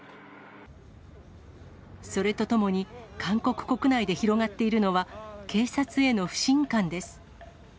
それとともに韓国国内で広がっているのは、警察への不信感です。